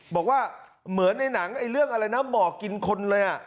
บอกว่าเหมือนในหนังเรื่องอะไรนะหมอกกินคนเลย